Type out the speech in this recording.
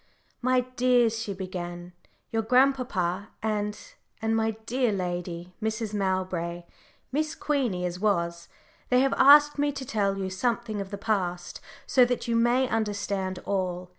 "My dears," she began, "your dear grandpapa and and my dear lady, Mrs. Mowbray, Miss Queenie as was they have asked me to tell you something of the past, so that you may understand all.